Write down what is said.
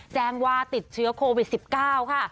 แจ้งว่าติดเชื้อโควิด๑๙ค่ะ